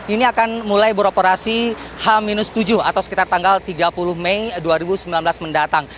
ini akan mulai beroperasi h tujuh atau sekitar tanggal tiga puluh mei dua ribu sembilan belas mendatang